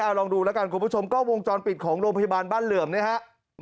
เอาลองดูแล้วกันคุณผู้ชมกล้องวงจรปิดของโรงพยาบาลบ้านเหลื่อมเนี่ยครับ